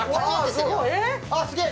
すげえ。